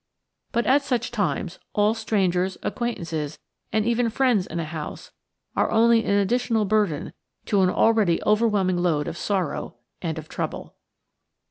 But at such times all strangers, acquaintances, and even friends in a house, are only an additional burden to an already overwhelming load of sorrow and of trouble.